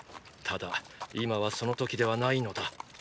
ただ今はその時ではないのだ。